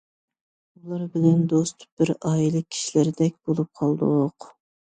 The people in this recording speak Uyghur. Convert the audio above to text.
ئۇلار بىلەن دوست، بىر ئائىلە كىشىلىرىدەك بولۇپ قالدۇق.